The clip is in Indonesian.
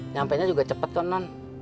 nyampe nya juga cepet non